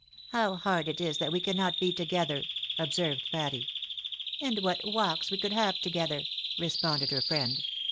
How hard it is that we cannot be together !" observed Patty. " And what walks we could have together !" responded her friend.